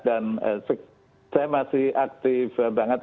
dan saya masih aktif banget